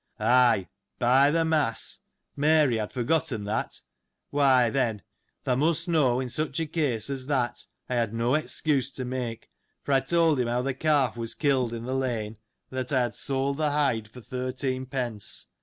— Ay, by the mass ! Mary, I had forgotten that. Why, then, thou must know, in such a case, as that, I had no excuse to make, for I told him how the calf was killed in the lane, and that I had sold the hide for thirteen pence.